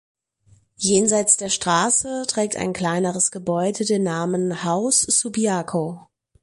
Jenseits der Straße trägt ein kleineres Gebäude den Namen Haus "Subiaco".